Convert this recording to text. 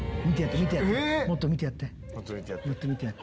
もっと見てやって。